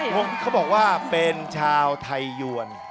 เขาบอกว่าเป็นชาวไทยยวน